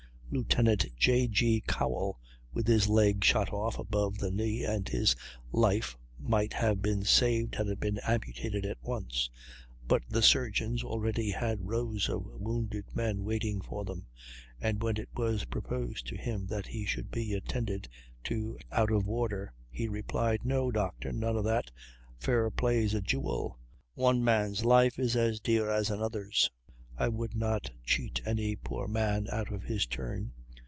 Lieut. J. G. Cowell had his leg shot off above the knee, and his life might have been saved had it been amputated at once; but the surgeons already had rows of wounded men waiting for them, and when it was proposed to him that he should be attended to out of order, he replied: "No, doctor, none of that; fair play's a jewel. One man's life is as dear as another's; I would not cheat any poor fellow out of his turn."